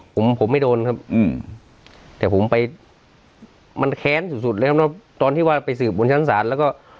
ผมผมไม่โดนครับอืมแต่ผมไปมันแค้นสุดสุดเลยครับตอนที่ว่าไปสืบบนชั้นศาลแล้วก็